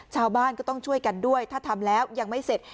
ชาวบ้านก็ต้องช่วยกันด้วยถ้าทำแล้วยังไม่เสร็จ